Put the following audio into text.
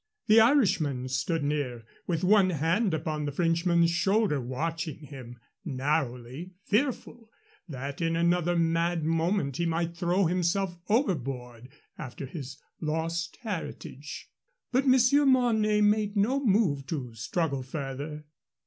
The Irishman stood near, with one hand upon the Frenchman's shoulder, watching him narrowly, fearful that in another mad moment he might throw himself overboard after his lost heritage. But Monsieur Mornay made no move to struggle further.